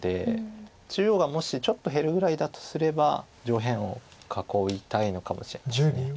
中央がもしちょっと減るぐらいだとすれば上辺を囲いたいのかもしれないです。